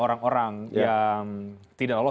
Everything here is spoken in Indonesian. orang orang yang tidak lolos